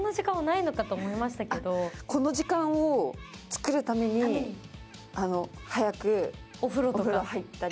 この時間を作るために早くお風呂入ったり。